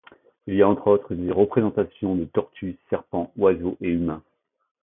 Il y a entre autres des représentations de tortues, serpents, oiseaux et humains.